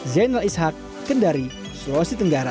zainal ishak kendari sulawesi tenggara